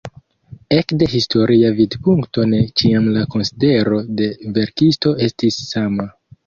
Ekde historia vidpunkto ne ĉiam la konsidero de verkisto estis sama.